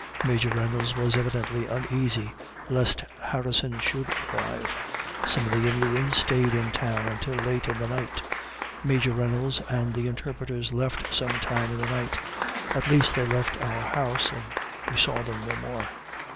Major Reynolds was evidently uneasy lest Harrison should arrive. Some of the Indians staid in town until late in the night. Major Reynolds and the interpreters left some time in the night; at least they left our house, and we saw them no more.